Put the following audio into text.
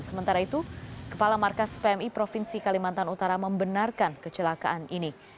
sementara itu kepala markas pmi provinsi kalimantan utara membenarkan kecelakaan ini